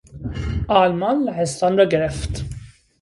آلمان لهستان را گرفت.